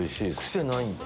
癖ないんだ。